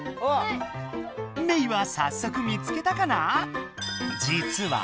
メイはさっそく見つけたかな？